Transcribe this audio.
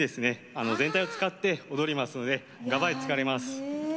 あの全体を使って踊りますのでがばい疲れます。